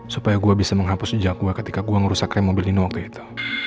supaya gue bisa menghapus jejak gue ketika gue ngerusak rem mobil di new york itu